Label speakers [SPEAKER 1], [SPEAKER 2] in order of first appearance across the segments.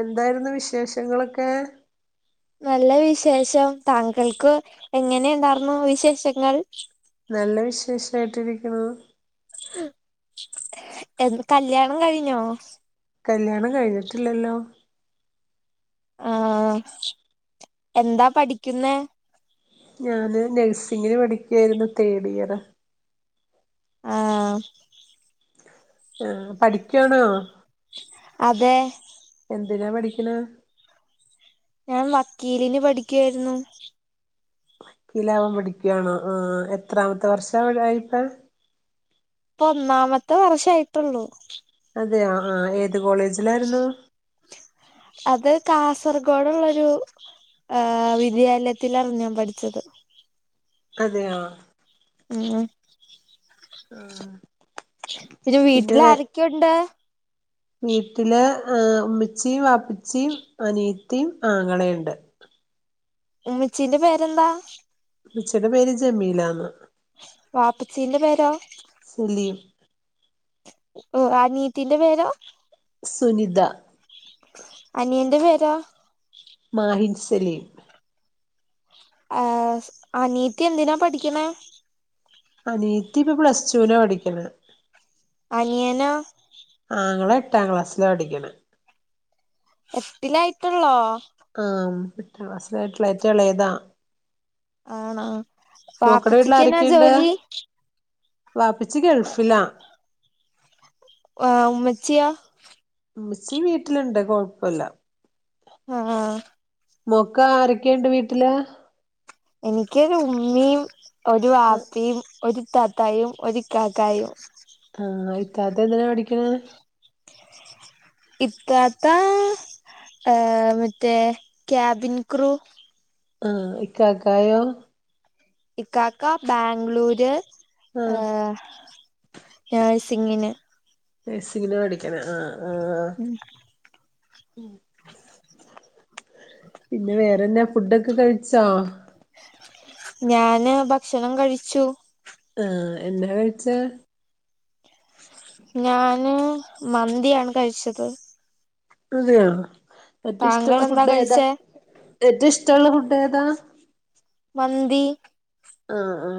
[SPEAKER 1] എന്തായിരുന്നു വിശേഷങ്ങളൊക്കെ
[SPEAKER 2] നല്ല വിശേഷം താങ്കൾക്ക് എങ്ങനെ ഉണ്ടായിന്ന വിശേഷങ്ങൾ
[SPEAKER 1] നല്ല വിശേഷായിട്ടിരിക്കുന്നു.
[SPEAKER 2] എന്ന് കല്യാണം കഴിഞ്ഞോ?.
[SPEAKER 1] കല്യാണം കഴിഞ്ഞിട്ടില്ലല്ലോ.
[SPEAKER 2] ആ എന്താ പഠിക്കുന്നേ?
[SPEAKER 1] ഞാന് നഴ്സിങ്ങിന് പഠിക്കായിരുന്നു തേർഡ് ഇയറ
[SPEAKER 2] ആഹ്‌.
[SPEAKER 1] ആ പഠിക്കുവാണോ
[SPEAKER 2] അതെ
[SPEAKER 1] എന്തിന പഠിക്കിനെ
[SPEAKER 2] ഞാൻ വക്കീലിന് പഠിക്കായിരുന്നു.
[SPEAKER 1] വക്കിലാവാൻ പടിക്കണോ ആ എത്രാമത്തെ വർഷം ആയിപ്പ
[SPEAKER 2] പ്പ ഒന്നാമത്തെ വർഷയിട്ടുള്ളൂ.
[SPEAKER 1] അതെയോ ആ ഏത് കോളേജിലായിരുന്നു.
[SPEAKER 2] അത് കാസർഗോഡ് ഉള്ളൊരു ആ വിദ്യാലയത്തിലാ ഞാൻ പഠിച്ചത്.
[SPEAKER 1] അതെയൊ
[SPEAKER 2] ഉം
[SPEAKER 1] ആഹ
[SPEAKER 2] പിന്നെ വീട്ടില ാരൊക്കെയുണ്ട്?.
[SPEAKER 1] വീട്ടില് ഉമ്മിച്ചിയും, വാപ്പിച്ചിയും, അനീത്തിയും, ആങ്ങളെയുണ്ട്.
[SPEAKER 2] ഉമ്മച്ചിന്റെ പേരെന്താ?.
[SPEAKER 1] ഉമ്മച്ചിടെ പേര് ജമീലാന്ന്.
[SPEAKER 2] വാപ്പച്ചിന്റെ പേരോ?.
[SPEAKER 1] ജലിൽ
[SPEAKER 2] ഓ അനിയത്തിന്റെ പേരോ?.
[SPEAKER 1] സുനിത.
[SPEAKER 2] അനിയന്റെ പേരോ?.
[SPEAKER 1] മാഹിൻ സലീം.
[SPEAKER 2] ആഅനീത്തി എന്തിനാ പഠിക്കണേ?.
[SPEAKER 1] ആനീയത്തി ഇപ്പൊ പ്ലസ് ടൂ നാ പഠിക്കണ്.
[SPEAKER 2] അനിയനോ
[SPEAKER 1] ആങ്ങള എട്ടാം ക്ലാസ്സില് പഠിക്കണ്.
[SPEAKER 2] എട്ടിലായിട്ടുള്ളോ?.
[SPEAKER 1] അ'ഏട്ടാക്ലാസിലെയായിട്ടുള്ളു ഏറ്റവും ഇളയതാ.
[SPEAKER 2] ആണോ?
[SPEAKER 1] മോക്കടെ വീട്ടിൽ
[SPEAKER 2] വാപ്പിച്ചിക്കെനാ
[SPEAKER 1] ആരൊക്കെയുണ്ട്
[SPEAKER 2] ജോലി.
[SPEAKER 1] വാപ്പച്ചി ഗൾഫിലാ.
[SPEAKER 2] ഓ ഉമ്മച്ചിയോ?.
[SPEAKER 1] ഉമ്മച്ചി വീട്ടിലുണ്ട് കുഴപ്പില്ല.
[SPEAKER 2] ആഹ
[SPEAKER 1] മൊൾക്കരൊക്കെയുണ്ട് വീട്ടില്.
[SPEAKER 2] എനിക്കൊരു ഉമ്മീയും ഒരു വാപ്പിയും ഒരു ത ത്തായും ഒ ഇത്തതായും.
[SPEAKER 1] ആ ഇത്താത എന്തിനാ പഠിക്കണ്.
[SPEAKER 2] ഇത്താത്ത ആ മറ്റേ ക്യാബിൻ ക്രൂ.
[SPEAKER 1] ആ ഇക്കക്കായോ?.
[SPEAKER 2] ഇക്കാക്ക ബാംഗ്ലൂര്.
[SPEAKER 1] ആഹ
[SPEAKER 2] നഴ്സിംഗിന്.
[SPEAKER 1] നഴ്സിങ്ങിന് പഠിക്കാണ, ആ ആ പിന്നെ വേറെന്നാ ഫുഡൊക്കെ കഴി േച്ചാ.
[SPEAKER 2] ഞാന് ഭക്ഷണം കഴിച്ചു.
[SPEAKER 1] ആ എന്താ കഴിച്ചേ?.
[SPEAKER 2] ഞാന് മന്തിയാണ് കഴിച്ചത്.
[SPEAKER 1] അതെയോ. ഏറ്റവും
[SPEAKER 2] താങ്കൾ
[SPEAKER 1] ഇഷ്ടമുള്ള
[SPEAKER 2] എന്താ
[SPEAKER 1] ഫുഡ് ഏതാ?
[SPEAKER 2] കഴിച്ചേ
[SPEAKER 1] ഏറ്റവും ഇഷ്ടമുള്ള ഫുഡ് ഏതാ
[SPEAKER 2] മന്തി
[SPEAKER 1] ആ ആ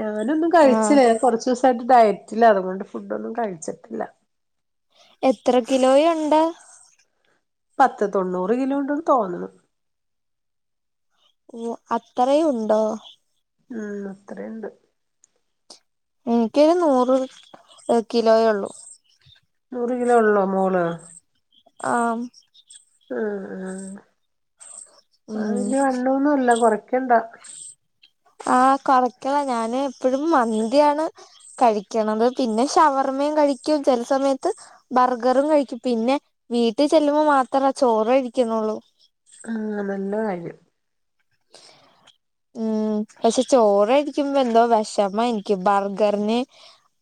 [SPEAKER 1] ഞാനൊന്നും
[SPEAKER 2] ആഹ്
[SPEAKER 1] കഴിച്ചില്ല കുറച്ച് ദിവസമായിട്ട് ഡയറ്റിലാണ് അതുകൊണ്ട് ഫുഡ് ഒന്നും കഴിച്ചിട്ടില്ല
[SPEAKER 2] എത്ര കിലോ യേഉണ്ട്
[SPEAKER 1] പത്ത് തൊണ്ണൂറ് കിലോ ഉണ്ടന്ന് തോന്നുന്നു
[SPEAKER 2] ഓ അത്രയും ഉണ്ടോ
[SPEAKER 1] ഉം അത്ര ഉണ്ട്
[SPEAKER 2] എനിക്കൊരു നൂറ് കിലോയേ ഉള്ളൂ
[SPEAKER 1] നൂറ് കിലോ ഉള്ളോ മോള്
[SPEAKER 2] ആം
[SPEAKER 1] ഉം ഉം ആ
[SPEAKER 2] ഉം
[SPEAKER 1] വല്ല്യ വണ്ണൊന്നുംല്ല കൊറക്കണ്ടാ
[SPEAKER 2] ആ കൊറക്കണം ഞാന് എപ്പഴും മന്തിയാണ് കഴിക്കണത് പിന്നെ ഷവർമ്മേം കഴിക്കും ചില സമയത്ത് ബർഗറും കഴിക്കും പിന്നെ വീട്ടിൽ ചെല്ലുമ്പോ മാത്രാ ചോറ് കഴിക്കുന്നുള്ളൂ
[SPEAKER 1] ആഹ് നല്ല കാര്യം
[SPEAKER 2] ഉം പക്ഷെ ചോറ് കയ്ക്കുമ്പോ എന്തോ വിഷമാ എനിക്ക് ബർഗറിന്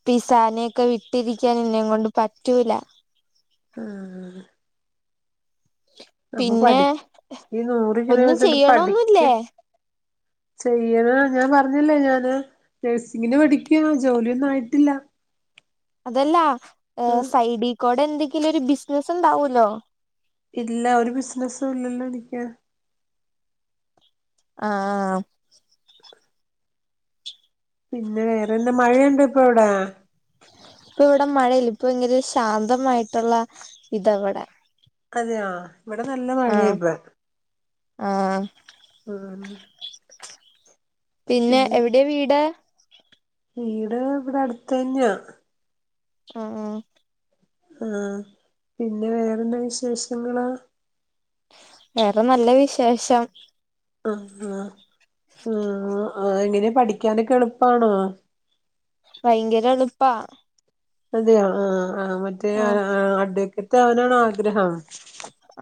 [SPEAKER 2] പിസാനെയൊക്കെ വിട്ടിരിക്കാൻ എന്നേം കൊണ്ട് പറ്റൂല
[SPEAKER 1] ആഹ് അപ്പൊ
[SPEAKER 2] പിന്നെ
[SPEAKER 1] പടി ഈ നൂറ് കിലോ
[SPEAKER 2] ഒന്നും
[SPEAKER 1] വെച്ചോണ്ട് പഠിക്ക
[SPEAKER 2] ചെയ്യണൊന്നുല്ലേ
[SPEAKER 1] ചെയ്യണം ഞാൻ പറഞ്ഞല്ലേ ഞാന് നഴ്സിങ്ങിന് പഠിക്കാണ് ജോലിയൊന്നും ആയിട്ടില്ല [inaudible]
[SPEAKER 2] അതല്ല സൈഡിക്കോടെ എന്തെങ്കിലും ഒരു ബിസിനസ് ഉണ്ടാവൂല്ലോ
[SPEAKER 1] ഇല്ല ഒരു ബിസിനസും ഇല്ലല്ലോ എനിക്ക്
[SPEAKER 2] ആഹാ ആഹാ
[SPEAKER 1] പിന്നെ വേറെന്താ മഴയുണ്ട ഇപ്പൊ അവിടെ
[SPEAKER 2] ഇപ്പം ഇവിടെ മഴയില്ല ഇപ്പൊ ഭയങ്കര ശാന്തമായിട്ടുള്ള ഇതാവിടെ
[SPEAKER 1] അതെയോ ഇവിടെ നല്ല മഴയാ
[SPEAKER 2] ആഹ്
[SPEAKER 1] ഇപ്പൾ
[SPEAKER 2] ആഹ്
[SPEAKER 1] ഉം
[SPEAKER 2] പിന്നെ
[SPEAKER 1] പിന്നെന്താ
[SPEAKER 2] എവിടേ വീട്
[SPEAKER 1] വീട് ഇവിടെ അട്ത്തെന്നെയാ
[SPEAKER 2] ആഹ് ആഹ്
[SPEAKER 1] ആഹ് പിന്നെ വേറെന്താ വിശേഷങ്ങള്
[SPEAKER 2] വേറെ നല്ല വിശേഷം
[SPEAKER 1] ആഹ് ആഹ് ആഹ് അതെങ്ങനെ പഠിക്കാനൊക്കെ എളുപ്പാണോ
[SPEAKER 2] ഭയങ്കര എളുപ്പാ
[SPEAKER 1] അതെയോ ആഹ് ആഹ് മറ്റേ ആഹ് അഡ്വക്കറ്റ് അവനാണോ ആഗ്രഹം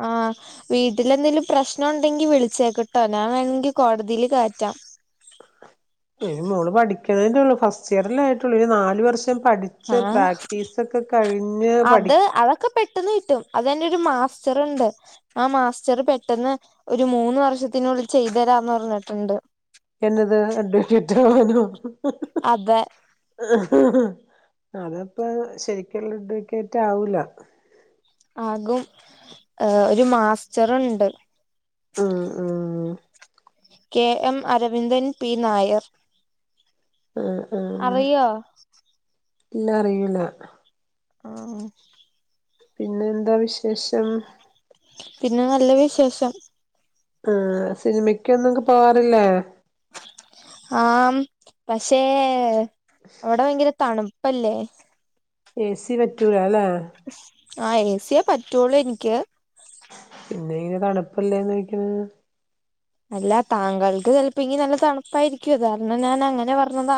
[SPEAKER 2] ആഹ് വീട്ടില് എന്തെങ്കിലും പ്രശ്നം ഉണ്ടെങ്കിൽ വിളിച്ചേക്ക്ട്ടോ ഞാൻ വേണെങ്കിൽ കോടതില് കേറ്റം
[SPEAKER 1] അയ്ന് മോള് പഠിക്ക്ണേല്ല ഒള്ളൂ ഫസ്റ്റ് ഇയര്‍ അല്ലയ ആയിട്ടുള്ളൂ ഇനി നാല് വർഷം പഠി
[SPEAKER 2] ആഹ് അത് അതൊക്കെ പെട്ടൊന്ന് കിട്ടും അതെന്റെ ഒരു മാസ്റ്ററുണ്ട് ആ മാസ്റ്റർ പെട്ടെന്ന് ഒരു മൂന്ന് വർഷത്തിനുള്ളിൽ ചെയ്തരാന്ന് പറഞ്ഞിട്ടുണ്ട്
[SPEAKER 1] എന്നത് അഡ്വക്കേറ്റ് ആവാനോ
[SPEAKER 2] അതെ
[SPEAKER 1] അതപ്പോ ശരിക്കുള്ള അഡ്വക്കേറ്റ് ആവൂല
[SPEAKER 2] ആകും ഒരു മാസ്റ്റർ ഒണ്ട്
[SPEAKER 1] ആഹ് ആഹ്
[SPEAKER 2] K M Aravindan P Nair
[SPEAKER 1] ആഹ് ആഹ്
[SPEAKER 2] അറിയോ
[SPEAKER 1] ഇല്ലാ അറിയില്ല
[SPEAKER 2] ആഹ് ഉം
[SPEAKER 1] പിന്നെന്താ വിശേഷം
[SPEAKER 2] പിന്നെ നല്ല വിശേഷം
[SPEAKER 1] ആ സിനിമക്കൊന്നുംക്കെ പോവാറില്ലേ?
[SPEAKER 2] ആം പക്ഷേ അവിടെ ഭയങ്കര തണു പ്പല്ലേ
[SPEAKER 1] ഏ സി പറ്റൂലാ ല്ലേ
[SPEAKER 2] ആ ഏ സി യേ പറ്റൂളുനിക്ക്
[SPEAKER 1] പിന്നേങ്ങനെ തണുപ്പല്ലേന് ചോയ്ക്ക്ണെ
[SPEAKER 2] അല്ലാ താങ്കൾക്ക് ചെലപ്പെങ്കി നല്ല തണുപ്പായിരിക്കും അത് കാരണം ഞാൻ അങ്ങനെ പറഞ്ഞതാ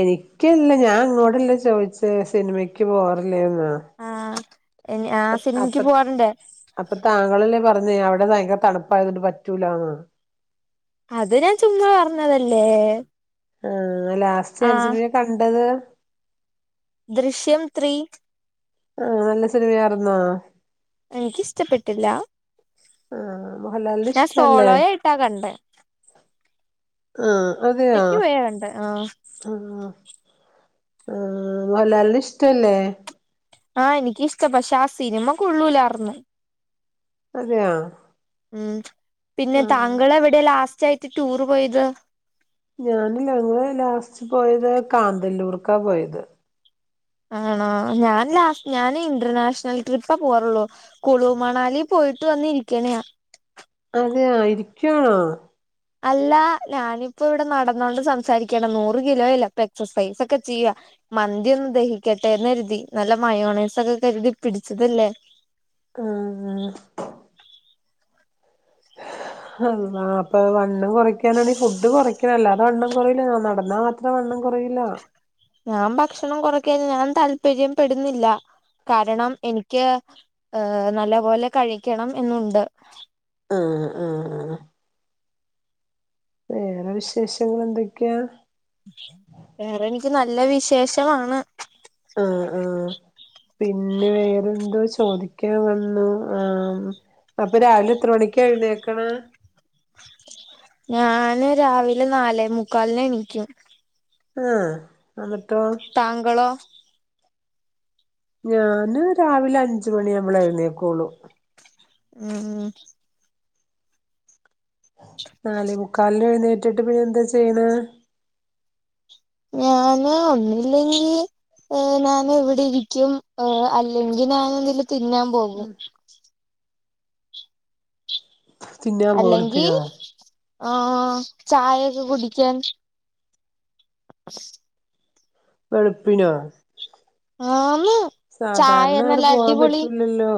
[SPEAKER 1] എനിക്കല്ല ഞാൻ അങ്ങോടല്ലെ ചോയിച്ചത് സിനിമക്ക് പോവാറില്ലേന്ന്‌
[SPEAKER 2] എഞ് ആഹ് സിനിമക്ക് പോവാറുണ്ട്
[SPEAKER 1] അപ്പത്താങ്കളല്ലേ പറഞ്ഞേ അവിടെ ഭയങ്കര തണുപ്പായതോണ്ട് പറ്റൂലാന്ന്
[SPEAKER 2] അത് നാൻ ചുമ്മാ പറഞ്ഞതല്ലേ
[SPEAKER 1] ആ ലാസ്റ്റ് ഏത്
[SPEAKER 2] ആഹ്
[SPEAKER 1] സിനിമയാ കണ്ടത്
[SPEAKER 2] ദൃശ്യം ത്രീ
[SPEAKER 1] ആഹ് നല്ല സിനിമയാരുന്നോ?
[SPEAKER 2] എനിക്കിസ്ട്ടപ്പെട്ടില്ല
[SPEAKER 1] ആഹ് മോഹൻലാലിനെ
[SPEAKER 2] ഞാൻ
[SPEAKER 1] ഇഷ്ടല്ലേ
[SPEAKER 2] സോളോയായിട്ട കണ്ടേ
[SPEAKER 1] ആ അതെയാ
[SPEAKER 2] ഒറ്റക്ക് പോയാ കണ്ടേ ആഹ്
[SPEAKER 1] ആ ആ മോഹല്ലാലിനെ ഇഷ്ട്ടല്ലേ
[SPEAKER 2] ആ എനിക്കിഷ്ട്ടപക്ഷെ ആ സിനിമ കൊള്ളൂലാർന്ന്
[SPEAKER 1] അതെയോ
[SPEAKER 2] ഉ പിന്നെ
[SPEAKER 1] ആഹ്
[SPEAKER 2] താങ്കളെവിടെ ലാസ്റ്റായിട്ട് ടൂറ് പോയത്
[SPEAKER 1] ഞാനി ഞങ്ങള് ലാസ്റ്റ് പോയത് കാന്തല്ലൂർക്കാ പോയത്
[SPEAKER 2] ആണാ ഞാൻ ലാസ്റ്റ് ഞാന് ഇന്റർനാഷണൽ ട്രിപ്പ പോറുള്ളൂ കുളു മണാലിപോയിട്ട് വന്നിരിക്കണെയാ
[SPEAKER 1] അതെയ ഇരിക്കുവാണോ
[SPEAKER 2] അല്ലാ ഞാനിപ്പൊവിടെ നടന്നോണ്ട് സംസാരിക്കാണ്‌ നൂറ് കിലോ ഇല്ലെ പ്പൊ എക്സസൈസൊക്കെ ചെയ്യാ മന്തിയൊന്ന്‌ ദഹിക്കട്ടേന്നരുതി നല്ല മയോണൈസൊക്കെ കരുതി പിടിച്ചതല്ലേ
[SPEAKER 1] ആഹ് ഹ് ള്ളാ പ്പൊ വണ്ണം കുറക്കാനാണെങ്കിഫുഡ് കുറക്കണ അല്ലാതെ വണ്ണം കുറയില നടന്നാമാത്രം വണ്ണം കുറയില്ലാ
[SPEAKER 2] ഞാമ്പക്ഷണം കൊറക്കാനി ഞാൻ താല്പര്യപ്പെടുന്നില്ല കാരണം എനിക്ക് ഇഹ്‌നല്ല പോലെ കഴിക്കണം എന്നുണ്ട്
[SPEAKER 1] ആഹ് ആഹ് ആഹ് വേറെ വിശേഷങ്ങളെന്തെക്കെയാ
[SPEAKER 2] വേറെനിക്ക് നല്ല വിശേഷവാണ്
[SPEAKER 1] ആ ആ പിന്നെ വേറെന്തോ ചോദിക്കാവന്നു ആ അപ്പരാവിലെ എത്ര മണിക്ക എഴുന്നേക്ണ
[SPEAKER 2] ഞാന് രാവിലെ നാലേ മുക്കാലിനെണീക്കും
[SPEAKER 1] ആ എന്നിട്ടോ?
[SPEAKER 2] താങ്കളോ?
[SPEAKER 1] ഞാന് രാവിലെ അഞ്ച് മണിയാവുമ്പളേ എഴുന്നേക്കൂളു
[SPEAKER 2] ആ
[SPEAKER 1] നാലേമുക്കാലിനെഴുന്നേറ്റിട്ട് പിന്നെ എന്താ ചെയ്യണേ
[SPEAKER 2] ഞാന് ഒന്നില്ലെങ്കി ഏ ഞാനിവിടെരിക്കും അല്ലെങ്കി ഞാനെന്തെങ്കിലും തിന്നാൻ പോകും
[SPEAKER 1] തിന്നാൻ പോവും
[SPEAKER 2] അല്ലെങ്കി
[SPEAKER 1] വെളുപ്പിനോ
[SPEAKER 2] ആ ചായയെക്കെ കുടിക്കാൻ
[SPEAKER 1] വെളുപ്പിനോ
[SPEAKER 2] ആന്ന് ചായ
[SPEAKER 1] സാധാരണാര് പോവാൻ പറ്റൂലല്ലോ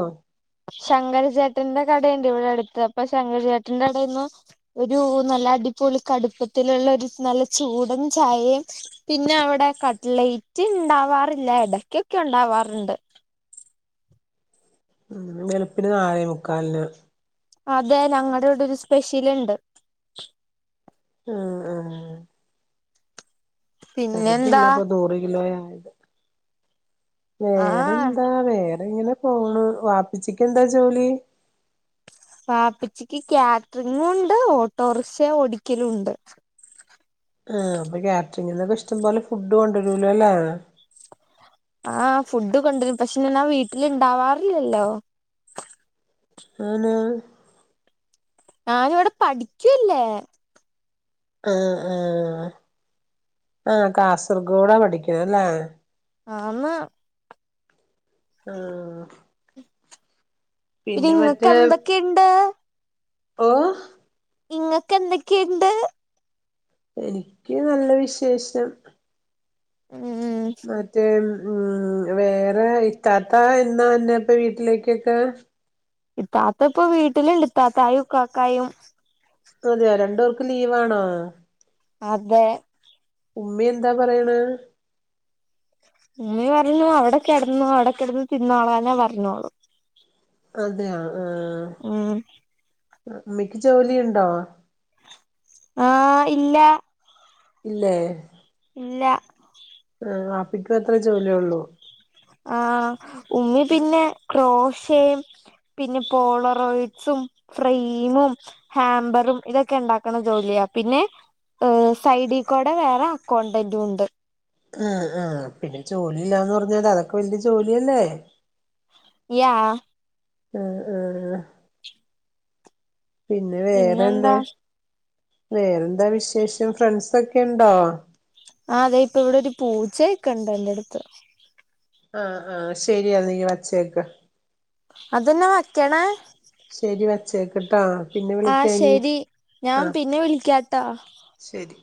[SPEAKER 2] ശങ്കരചേട്ടന്റെ കടയുണ്ട് ഇവിടെ അടുത്ത് അപ്പൊ ശങ്കരചേട്ടന്റെ കടയന്നു ഒരു നല്ല അടിപൊളി കടുപ്പത്തിലുള്ള ഒരു നല്ല ചൂടും ചായയും പിന്നെ അവിടെ കട്ലൈറ്റ് ഉണ്ടാവാറില്ല ഇടക്കൊക്കെ ഉണ്ടാവാറുണ്ട്
[SPEAKER 1] ഉം വെളുപ്പിന് നാലെ മുക്കാലിന്
[SPEAKER 2] അതെ ഞങ്ങളുടെ ഇവിടെ ഒരു സ്പെഷ്യൽ ഉണ്ട്
[SPEAKER 1] ആഹ് ആഹ്
[SPEAKER 2] പിന്നെന്താ
[SPEAKER 1] ചെറുതല്ല അപ്പൊ നൂറ് കിലോ ആത്
[SPEAKER 2] ആ
[SPEAKER 1] വേറെന്താ വേറെങ്ങനെ പോണ വാപ്പിച്ചക്ക് എന്താ ജോലി
[SPEAKER 2] പാപ്പിച്ചിക്ക് കാറ്ററിങ്ങും ഉണ്ട് ഓട്ടോറിക്ഷ ഓടിക്കലും ഉണ്ട്
[SPEAKER 1] ആ അപ്പൊ കാറ്ററിംഗങ് എന്നൊക്കെ ഇഷ്ടം പോലെ ഫുഡ് കൊണ്ടുവരുലോല്ലേ
[SPEAKER 2] ആഹ് ഫുഡ് കൊണ്ടു പക്ഷെ ഞാൻ വീട്ടിലുണ്ടാവാറില്ലല്ലോ
[SPEAKER 1] അന്ന്
[SPEAKER 2] ഞാനവിടെ പഠിക്കൂല്ലേ?
[SPEAKER 1] ആഹ് ആ ആ കാസർഗോഡാ പഠിക്കണ അല്ലേ?
[SPEAKER 2] ആന്ന്
[SPEAKER 1] ആഹ്
[SPEAKER 2] പിന്നെ ഇങ്ങക്ക് എന്തൊക്കെയിണ്ട്?
[SPEAKER 1] ഓഹ്
[SPEAKER 2] ഇങ്ങക്കെ എന്തക്കെയിണ്ട്?
[SPEAKER 1] എനിക്ക് നല്ല വിശേഷം.
[SPEAKER 2] ഉം ഉം..
[SPEAKER 1] മറ്റേ ഉം വേറെ ഇറ്റാത്ത എന്നാ എന്നന്നെപ്പ വീട്ടിലേക്കൊക്കെ?
[SPEAKER 2] ഇത്താത്ത ഇപ്പ വീട്ടിലിണ്ട് ഇത്താത്തായും ഇക്കക്കായും.
[SPEAKER 1] അതെയോ രണ്ടുപേർക്ക് ലീവ്ണോ?
[SPEAKER 2] അതെ.
[SPEAKER 1] ഉമ്മി എന്താ പറയണ്?
[SPEAKER 2] ഉമ്മീ പറഞ്ഞു അവിടെ കെടന്നോ അവിടെ കെടന്ന് തിന്നോളാനേ പറഞ്ഞോളു.
[SPEAKER 1] അതെയോ? ആഹ്
[SPEAKER 2] ഉം
[SPEAKER 1] ഉമ്മക്ക് ജോലി ഉണ്ടോ?
[SPEAKER 2] ആഹ് ഇല്ല.
[SPEAKER 1] ഇല്ലേ?
[SPEAKER 2] ഇല്ല.
[SPEAKER 1] ആഹ് വപ്പിക്കാത്രേ ജോലി ഉള്ളൂ?
[SPEAKER 2] ആഹ് ഉമ്മി പിന്നെ ക്രോസ് പിന്നെ പോളറോയിഡ്സും ഫ്രെമും. ഹാമ്പറും ഇതൊക്കെ ഉണ്ടാക്കണ ജോലിയാ പിന്നെ ഹ് സൈഡി കോടെ വേറെ അക്കൗണ്ടന്റും ഉണ്ട്.
[SPEAKER 1] ആഹ് ആഹ് പിന്നെ ജോലി ഇല്ലാന്ന് പറഞ്ഞാല് അതൊക്കെ വലിയ ജോലിയല്ലേ?
[SPEAKER 2] യാ..
[SPEAKER 1] ആഹ് ആഹ്.. ആഹ്. പിന്നെ വേറെന്നെ
[SPEAKER 2] പിന്നെന്താ
[SPEAKER 1] വേറെന്താ വിശേഷം ഫ്രണ്ട്സൊക്കെണ്ടോ?
[SPEAKER 2] ആഹ് അതെ ഇപ്പ ഇവിടെ ഒരു പൂജയൊക്കെ ഇണ്ട് ഐന്റടുത്ത്
[SPEAKER 1] ആഹ് ആഹ് ശരിയാ നീ വച്ചേക്ക്.
[SPEAKER 2] അതേന്ന വയ്ക്കണേ?
[SPEAKER 1] ശരി വച്ചേക്കട്ടാ.
[SPEAKER 2] ആഹ് ശെരി ഞാൻ പിന്നെ വിളിക്കാട്ടോ?
[SPEAKER 1] ശരി.